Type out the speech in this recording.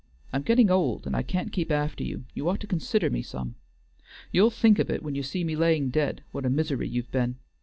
I'm gettin' old and I can't keep after you; you ought to consider me some. You'll think of it when you see me laying dead, what a misery you've be'n.